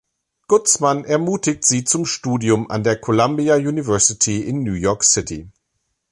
Guzman ermutigt sie zum Studium an der Columbia University in New York City.